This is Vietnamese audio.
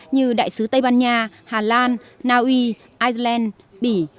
như đại sứ tây ban nha hà lan naui iceland bỉ